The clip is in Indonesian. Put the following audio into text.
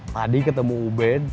tadi ketemu ubed